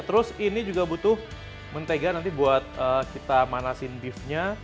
terus ini juga butuh mentega nanti buat kita manasin beefnya